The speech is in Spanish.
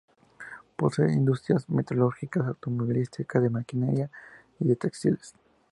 Posee industrias metalúrgicas, automovilísticas, de maquinaria y textiles.